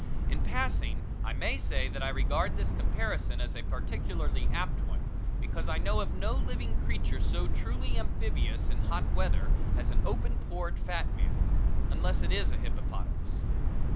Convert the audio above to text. In passing I may say that I regard this comparison as a particularly apt one, because I know of no living creature so truly amphibious in hot weather as an open pored fat man, unless it is a hippopotamus.